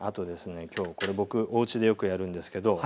今日これ僕おうちでよくやるんですけどこっち見て下さい。